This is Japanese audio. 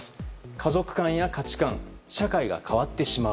家族間や価値観社会が変わってしまう。